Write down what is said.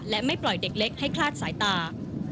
และไม่ปล่อยเด็กเล็กให้คลาดสายตา